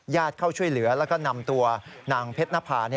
เข้าช่วยเหลือแล้วก็นำตัวนางเพชรนภา